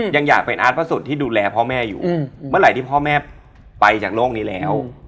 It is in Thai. ยังอยากเป็นอาร์ตพระสุทธิ์ที่ดูแลพ่อแม่อยู่เมื่อไหร่ที่พ่อแม่ไปจากโลกนี้แล้ว